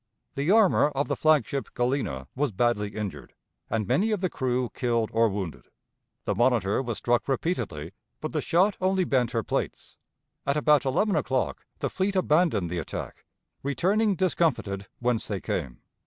The armor of the flag ship Galena was badly injured, and many of the crew killed or wounded. The Monitor was struck repeatedly, but the shot only bent her plates. At about eleven o'clock the fleet abandoned the attack, returning discomfited whence they came.